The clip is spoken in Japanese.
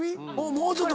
もうちょっと！